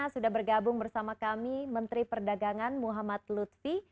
sudah bergabung bersama kami menteri perdagangan muhammad lutfi